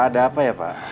ada apa ya pak